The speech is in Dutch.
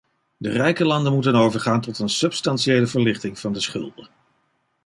De rijke landen moeten overgaan tot een substantiële verlichting van de schulden.